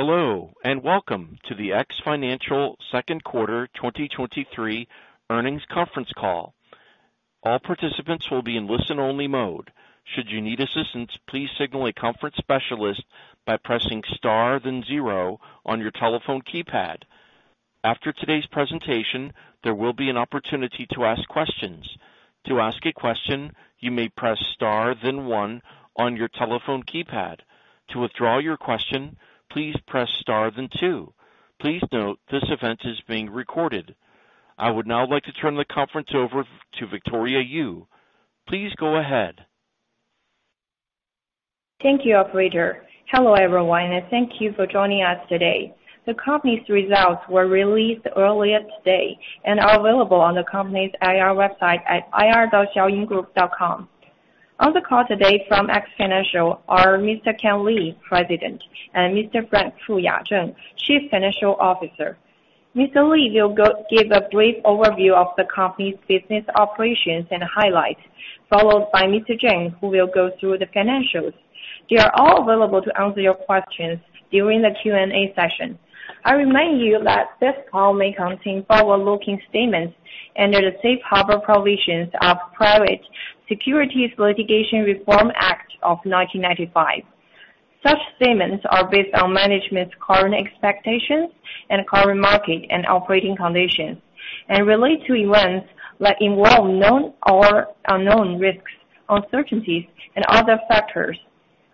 Hello, and welcome to the X Financial second quarter 2023 earnings conference call. All participants will be in listen-only mode. Should you need assistance, please signal a conference specialist by pressing star, then zero on your telephone keypad. After today's presentation, there will be an opportunity to ask questions. To ask a question, you may press star, then one on your telephone keypad. To withdraw your question, please press star, then two. Please note, this event is being recorded. I would now like to turn the conference over to Victoria Yu. Please go ahead. Thank you, operator. Hello, everyone, and thank you for joining us today. The company's results were released earlier today and are available on the company's IR website at ir.xiaoyinggroup.com. On the call today from X Financial are Mr. Kan Li, President, and Mr. Frank Fuya Zheng, Chief Financial Officer. Mr. Li will give a brief overview of the company's business operations and highlights, followed by Mr. Frank Fuya Zheng, who will go through the financials. They are all available to answer your questions during the Q&A session. I remind you that this call may contain forward-looking statements under the Safe Harbor provisions of Private Securities Litigation Reform Act of 1995. Such statements are based on management's current expectations and current market and operating conditions, and relate to events that involve known or unknown risks, uncertainties, and other factors,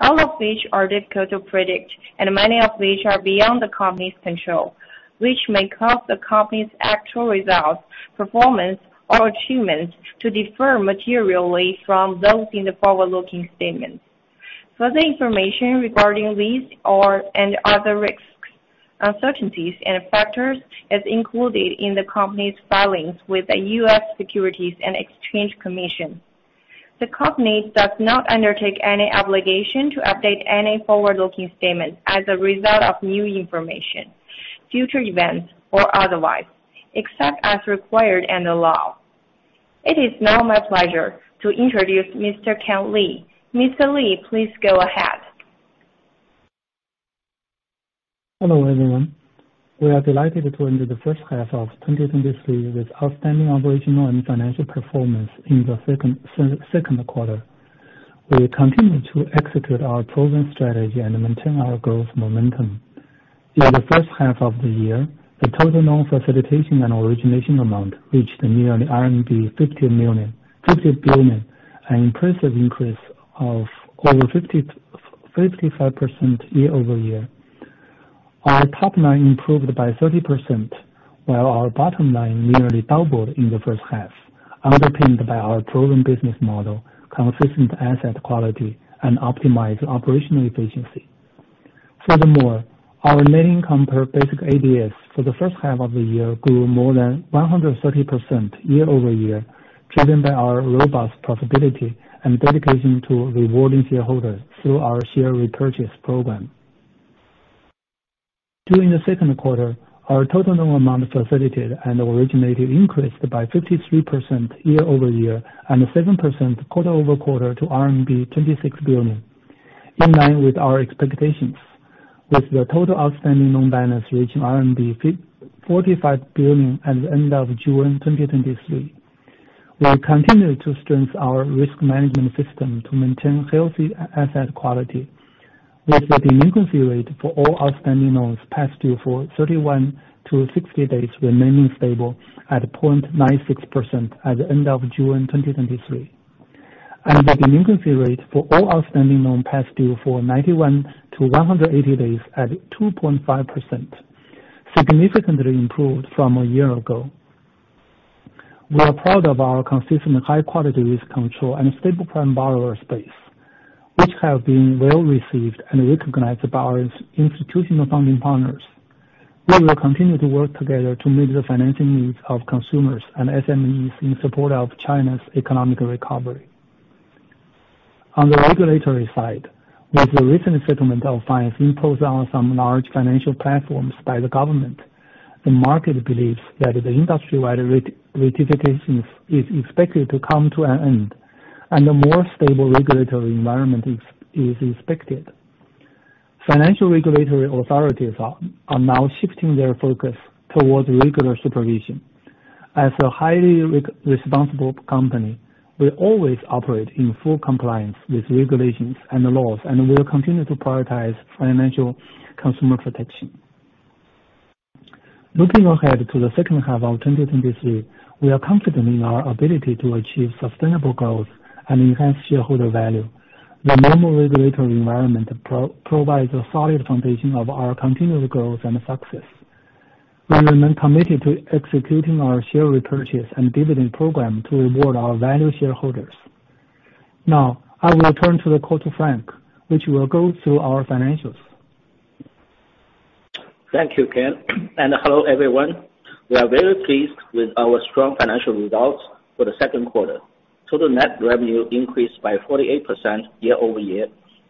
all of which are difficult to predict and many of which are beyond the company's control, which may cause the company's actual results, performance, or achievements to differ materially from those in the forward-looking statements. Further information regarding these and other risks, uncertainties, and factors is included in the company's filings with the U.S. Securities and Exchange Commission. The company does not undertake any obligation to update any forward-looking statements as a result of new information, future events or otherwise, except as required in the law. It is now my pleasure to introduce Mr. Kan Li. Mr. Li, please go ahead. Hello, everyone. We are delighted to enter the first half of 2023 with outstanding operational and financial performance in the second quarter. We continue to execute our proven strategy and maintain our growth momentum. In the first half of the year, the total loan facilitation and origination amount reached nearly 50 billion, an impressive increase of over 55% year-over-year. Our top line improved by 30%, while our bottom line nearly doubled in the first half, underpinned by our proven business model, consistent asset quality, and optimized operational efficiency. Furthermore, our net income per basic ADS for the first half of the year grew more than 130% year-over-year, driven by our robust profitability and dedication to rewarding shareholders through our share repurchase program. During the second quarter, our total loan amount facilitated and originated increased by 53% year-over-year, and 7% quarter-over-quarter to RMB 26 billion, in line with our expectations, with the total outstanding loan balance reaching RMB 45 billion at the end of June 2023. We continue to strengthen our risk management system to maintain healthy asset quality, with the delinquency rate for all outstanding loans past due for 31-60 days remaining stable at 0.96% at the end of June 2023, and the delinquency rate for all outstanding loans past due for 91-180 days at 2.5%, significantly improved from a year ago. We are proud of our consistent high-quality risk control and stable prime borrower space, which have been well received and recognized by our institutional funding partners. We will continue to work together to meet the financing needs of consumers and SMEs in support of China's economic recovery. On the regulatory side, with the recent settlement of fines imposed on some large financial platforms by the government, the market believes that the industry-wide rectification is expected to come to an end, and a more stable regulatory environment is expected. Financial regulatory authorities are now shifting their focus towards regular supervision. As a highly responsible company, we always operate in full compliance with regulations and the laws, and we will continue to prioritize financial consumer protection. Looking ahead to the second half of 2023, we are confident in our ability to achieve sustainable growth and enhance shareholder value. The normal regulatory environment provides a solid foundation of our continued growth and success. We remain committed to executing our share repurchase and dividend program to reward our value shareholders. Now, I will turn to the call to Frank, which will go through our financials. Thank you, Kan, and hello, everyone. We are very pleased with our strong financial results for the second quarter. Total net revenue increased by 48% year-over-year,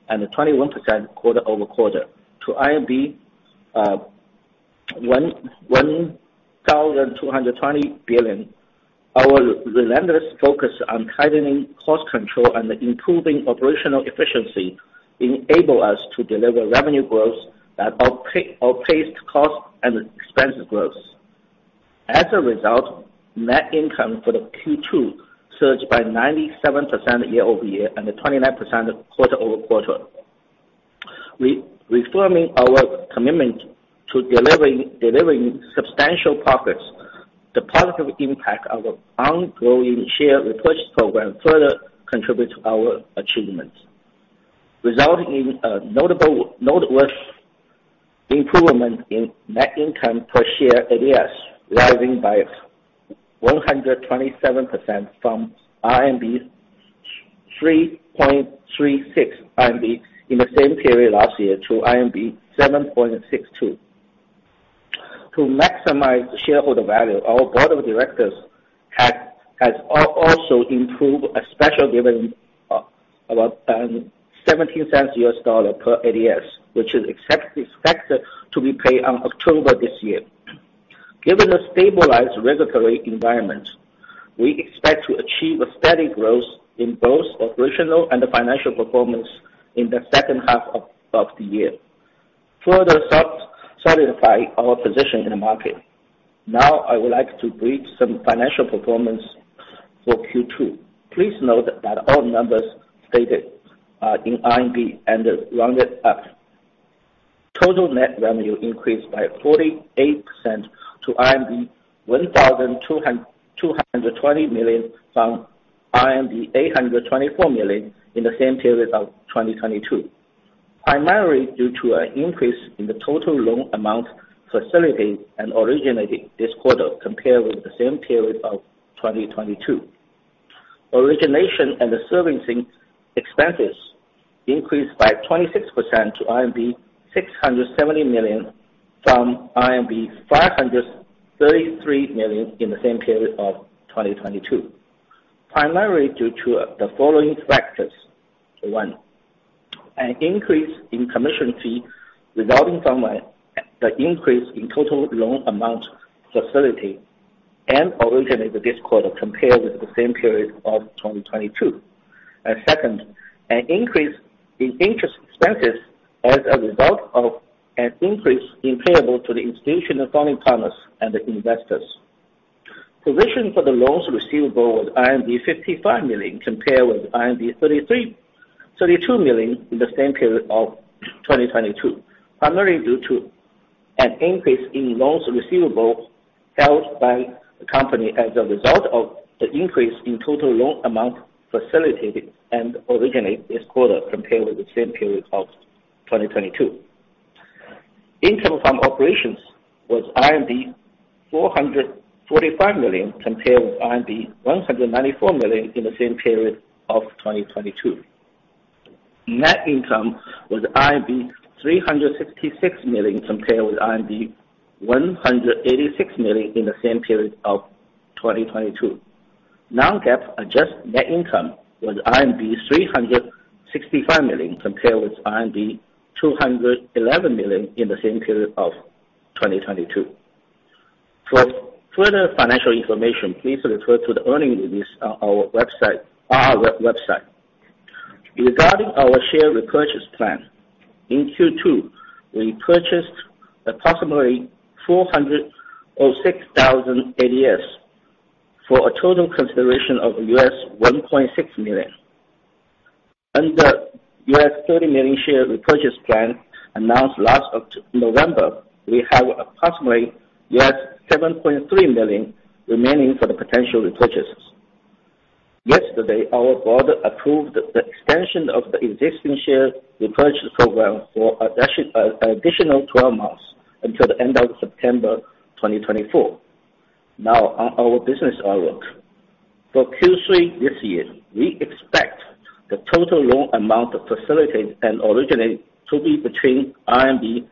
and 21% quarter-over-quarter to 1,220 billion. Our relentless focus on tightening cost control and improving operational efficiency enable us to deliver revenue growth that outpaced cost and expense growth. As a result, net income for the Q2 surged by 97% year-over-year and 29% quarter-over-quarter. Reaffirming our commitment to delivering substantial profits, the positive impact of our ongoing share repurchase program further contribute to our achievements, resulting in a noteworthy improvement in net income per share ADS, rising by 127% from 3.36 RMB in the same period last year to RMB 7.62. To maximize shareholder value, our board of directors has also approved a special dividend of about $0.17 per ADS, which is expected to be paid on October this year. Given the stabilized regulatory environment, we expect to achieve a steady growth in both operational and financial performance in the second half of the year, further solidify our position in the market. Now, I would like to read some financial performance for Q2. Please note that all numbers stated are in RMB and are rounded up. Total net revenue increased by 48% to RMB 1,220 million, from RMB 824 million in the same period of 2022, primarily due to an increase in the total loan amount facilitated and originated this quarter compared with the same period of 2022. Origination and the servicing expenses increased by 26% to RMB 670 million, from RMB 533 million in the same period of 2022, primarily due to the following factors: One, an increase in commission fee resulting from the increase in total loan amount facility and originated this quarter compared with the same period of 2022. And second, an increase in interest expenses as a result of an increase in payable to the institutional partners and the investors. Provision for the loans receivable was 55 million, compared with 32 million in the same period of 2022, primarily due to an increase in loans receivable held by the company as a result of the increase in total loan amount facilitated and originated this quarter compared with the same period of 2022. Income from operations was RMB 445 million, compared with RMB 194 million in the same period of 2022. Net income was RMB 366 million, compared with RMB 186 million in the same period of 2022. Non-GAAP adjusted net income was RMB 365 million, compared with RMB 211 million in the same period of 2022. For further financial information, please refer to the earnings release on our website. Regarding our share repurchase plan, in Q2, we purchased approximately 406,000 ADS, for a total consideration of $1.6 million. Under $30 million share repurchase plan announced last November, we have approximately $7.3 million remaining for the potential repurchases. Yesterday, our board approved the extension of the existing share repurchase program for an additional twelve months until the end of September 2024. Now, on our business outlook. For Q3 this year, we expect the total loan amount facilitated and originated to be between RMB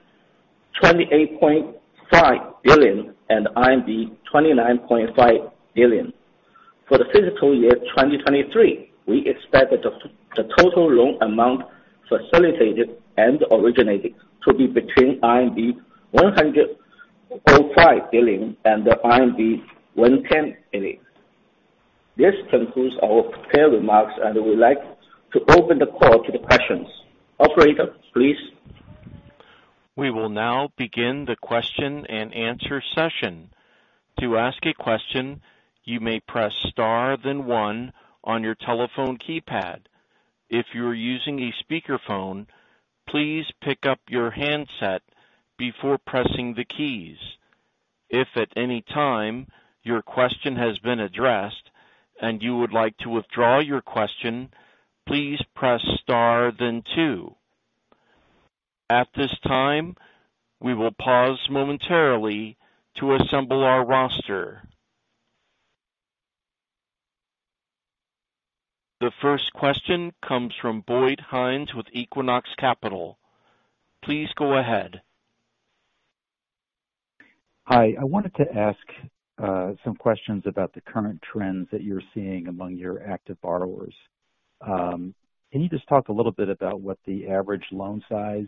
28.5 billion and RMB 29.5 billion. For the fiscal year 2023, we expect the total loan amount facilitated and originated to be between 105 billion and 110 billion. This concludes our prepared remarks, and we'd like to open the call to the questions. Operator, please? We will now begin the question and answer session. To ask a question, you may press star, then one on your telephone keypad. If you are using a speakerphone, please pick up your handset before pressing the keys. If at any time your question has been addressed and you would like to withdraw your question, please press star, then two. At this time, we will pause momentarily to assemble our roster. The first question comes from Boyd Hines with Equinox Capital. Please go ahead. Hi. I wanted to ask some questions about the current trends that you're seeing among your active borrowers. Can you just talk a little bit about what the average loan size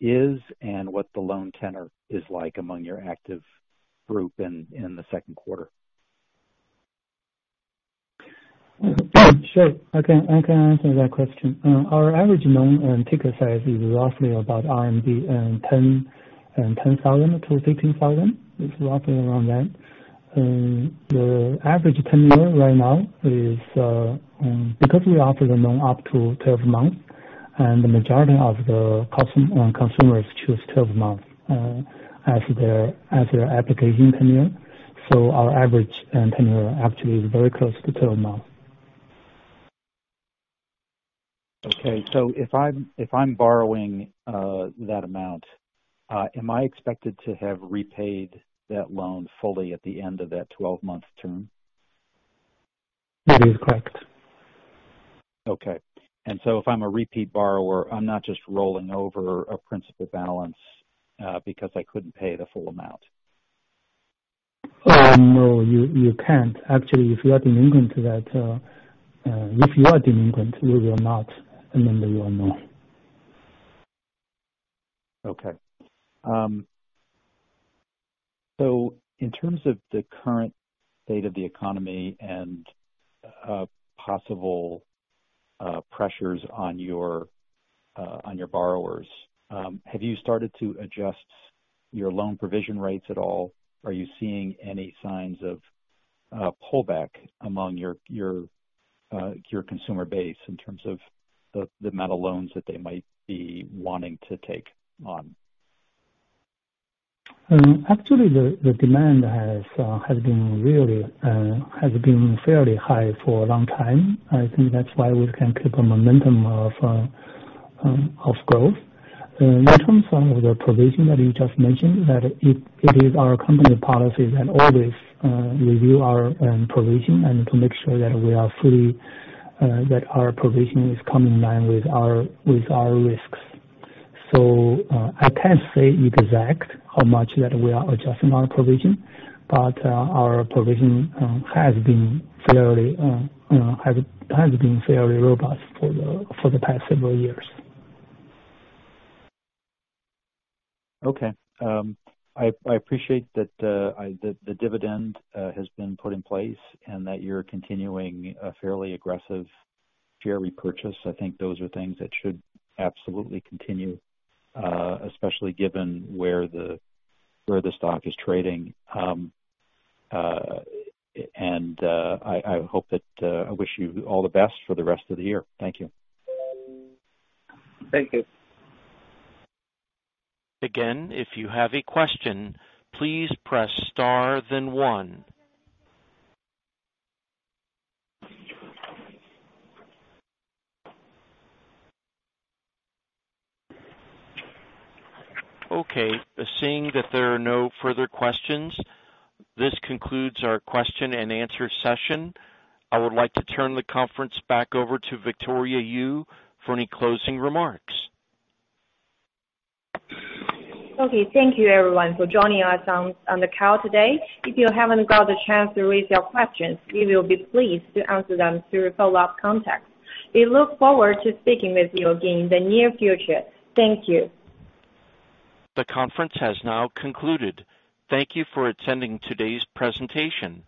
is and what the loan tenor is like among your active group in the second quarter? Sure, I can, I can answer that question. Our average loan and ticket size is roughly about 10,000-15,000. It's roughly around that. The average tenure right now is, because we offer the loan up to 12 months, and the majority of the customers consumers choose 12 months, as their, as their application tenure. So our average, tenure actually is very close to 12 months. Okay. So if I'm borrowing that amount, am I expected to have repaid that loan fully at the end of that 12-month term? That is correct. Okay. And so if I'm a repeat borrower, I'm not just rolling over a principal balance, because I couldn't pay the full amount. No, you can't. Actually, if you are delinquent, you will not renew your loan. Okay. So in terms of the current state of the economy and possible pressures on your borrowers, have you started to adjust your loan provision rates at all? Are you seeing any signs of pullback among your consumer base in terms of the amount of loans that they might be wanting to take on? Actually, the demand has been really fairly high for a long time. I think that's why we can keep a momentum of growth. In terms of the provision that you just mentioned, it is our company policy to always review our provision and to make sure that we are fully that our provision is coming in line with our risks. So, I can't say exact how much that we are adjusting our provision, but our provision has been fairly robust for the past several years. Okay. I appreciate that the dividend has been put in place and that you're continuing a fairly aggressive share repurchase. I think those are things that should absolutely continue, especially given where the stock is trading. And I hope that I wish you all the best for the rest of the year. Thank you. Thank you. Again, if you have a question, please press star, then one. Okay, seeing that there are no further questions, this concludes our question and answer session. I would like to turn the conference back over to Victoria Yu for any closing remarks. Okay. Thank you, everyone, for joining us on the call today. If you haven't got the chance to raise your questions, we will be pleased to answer them through follow-up contacts. We look forward to speaking with you again in the near future. Thank you. The conference has now concluded. Thank you for attending today's presentation.